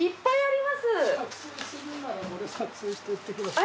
撮影してってください。